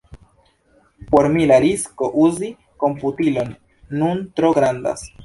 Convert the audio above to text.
Por mi, la risko uzi komputilon nun tro grandas.